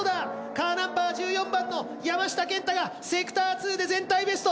カーナンバー１４番の山下健太がセクター２で全体ベスト。